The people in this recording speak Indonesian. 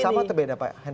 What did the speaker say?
sama atau beda pak hendrik